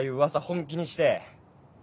本気にして。